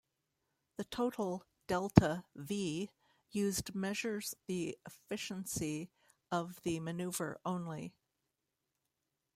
The total delta-"v" used measures the efficiency of the maneuver only.